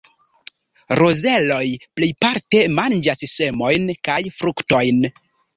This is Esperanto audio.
Rozeloj plejparte manĝas semojn kaj fruktojn.